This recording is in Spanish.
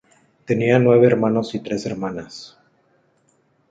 Tenía nueve hermanos y tres hermanas.